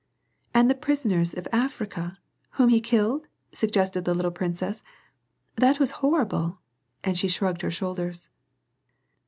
''* "And the prisoners in Africa, whom he killed ?" suggested the little princess. " That was horrible !" and she shrugged her shoulders.